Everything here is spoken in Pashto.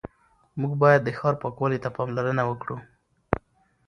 موږ باید د ښار پاکوالي ته پاملرنه وکړو